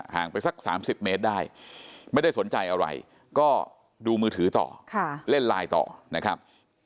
ไปสัก๓๐เมตรได้ไม่ได้สนใจอะไรก็ดูมือถือต่อเล่นไลน์ต่อนะครับ